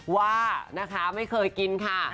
ว่านะคะไม่เคยกินค่ะ